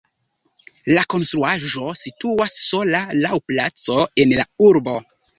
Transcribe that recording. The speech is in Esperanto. La konstruaĵo situas sola laŭ placo en la urbo.